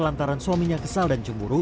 lantaran suaminya kesal dan cemburu